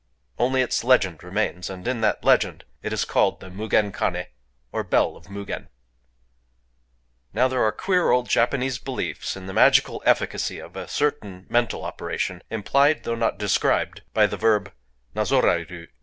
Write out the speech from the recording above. Only its legend remains; and in that legend it is called the Mugen Kané, or Bell of Mugen. Now there are queer old Japanese beliefs in the magical efficacy of a certain mental operation implied, though not described, by the verb nazoraëru.